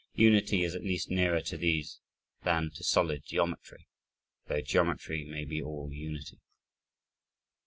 Unity is at least nearer to these than to solid geometry, though geometry may be all unity.